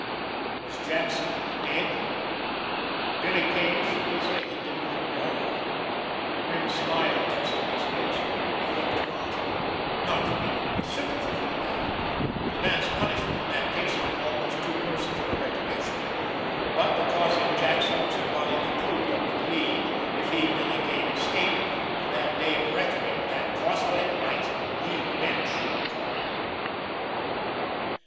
Was Jackson dead? Billy Kane shook his head. He did not know. A grim smile twisted his lips. He hoped not—not from any sympathy for the man, for the man's punishment in that case had been almost too merciful a retribution, but because in Jackson was embodied the clue that would lead, if he, Billy Kane, escaped, to that day of reckoning that, cost what it might, he meant should come.